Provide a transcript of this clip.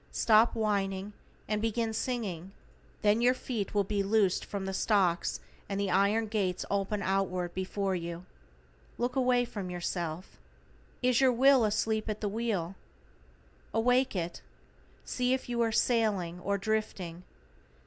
Stop whining, and begin singing, then will your feet be loosed from the stocks and the iron gates open outward before you. Look away from yourself. =IS YOUR WILL ASLEEP AT THE WHEEL?= Awake it. See if you are sailing, or drifting.